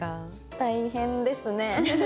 大変ですね。